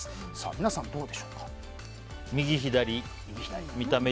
皆さんどうでしょうか。